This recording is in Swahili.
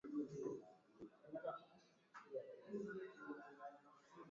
Tando za kamasi kufifia rangi